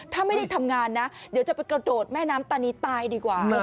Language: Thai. ถ้าไม่ได้ทำงานนะเดี๋ยวจะไปกระโดดแม่น้ำตานีตายดีกว่า